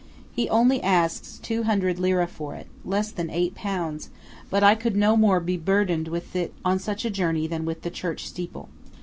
He only asks two hundred lire for it–less than eight pounds–but I could no more be burthened with it on such a journey than with the church steeple.